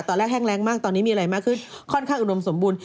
ตอนแรกแห้งแรงมากตอนนี้มีอะไรมาคือค่อนข้างอุโมมสมบูรณ์